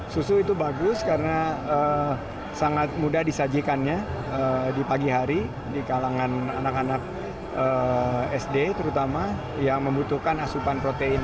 susu itu bagus karena sangat mudah disajikannya di pagi hari di kalangan anak anak sd terutama yang membutuhkan asupan protein